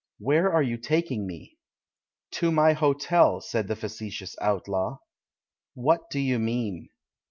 "Where are you taking me?" "To my hotel," said the facetious outlaw. "What do you mean?"